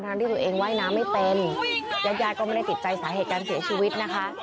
ที่ตัวเองว่ายน้ำไม่เป็นญาติญาติก็ไม่ได้ติดใจสาเหตุการเสียชีวิตนะคะ